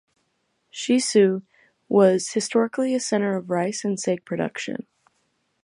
Shisui was historically a center of rice and sake production.